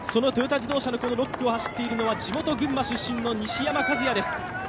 トヨタ自動車の６区を走っているのは、地元群馬出身の西山和弥です。